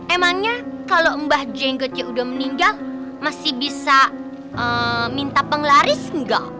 emangnya kalau mbah jenggot yang udah meninggal masih bisa minta penglaris nggak